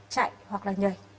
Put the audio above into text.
chạy hoặc là nhảy